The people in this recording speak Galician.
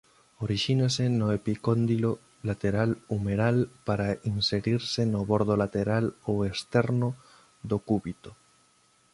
Orixínase no epicóndilo lateral umeral para inserirse no bordo lateral ou externo do cúbito.